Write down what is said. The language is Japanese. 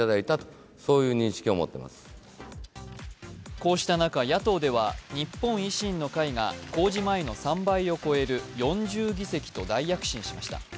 こうした中、野党では日本維新の会が公示前の３倍を超える４０議席と大躍進しました。